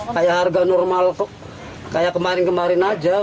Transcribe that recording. kayak harga normal kayak kemarin kemarin aja